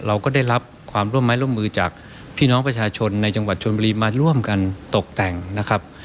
เราก็ได้รับความร่วมไม้ร่วมมือจากพี่น้องประชาชนในจังหวัดชนบุรีมาร่วมกันตกแต่งนะครับ